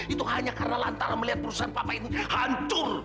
itu hanya karena lantaran melihat perusahaan papan ini hancur